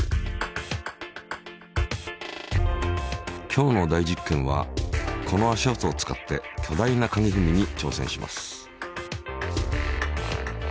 今日の大実験はこの足跡を使って巨大な影ふみに挑戦します。